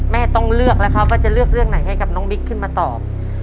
ต้องเลือกแล้วครับว่าจะเลือกเรื่องไหนให้กับน้องบิ๊กขึ้นมาตอบ